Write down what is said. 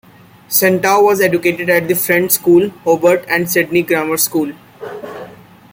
Santow was educated at The Friends' School, Hobart and Sydney Grammar School.